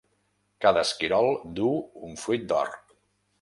Cada esquirol duu un fruit d'or.